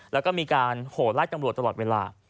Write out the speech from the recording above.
แล้วก็มีการโหไล่ตำรวจตลอดเวลา